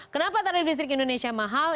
kenapa tarif listrik indonesia mahal